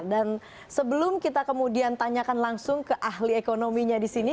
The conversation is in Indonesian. dan sebelum kita kemudian tanyakan langsung ke ahli ekonominya di sini